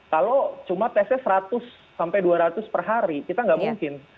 kalau cuma tesnya seratus sampai dua ratus per hari kita nggak mungkin